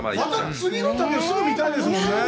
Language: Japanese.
また次の旅をすぐ見たいですもんね。